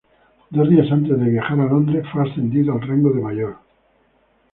Dos días antes de viajar a Londres, fue ascendido al rango de mayor.